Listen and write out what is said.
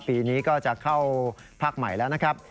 ปีนี้ก็จะเข้าภาคใหม่แล้วนะครับ